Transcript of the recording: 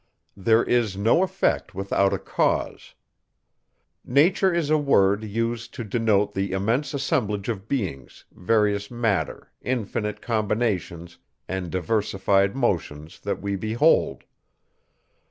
There is no effect without a cause. Nature is a word, used to denote the immense assemblage of beings, various matter, infinite combinations, and diversified motions, that we behold.